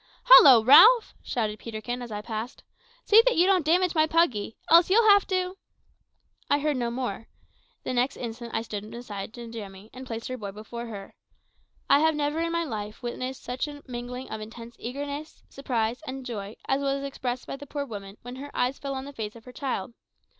"Hollo, Ralph," shouted Peterkin as I passed, "see that you don't damage my Puggy, else you'll have to " I heard no more. The next instant I stood beside Njamie, and placed her boy before her. I have never in my life witnessed such a mingling of intense eagerness, surprise, and joy, as was expressed by the poor woman when her eyes fell on the face of her child.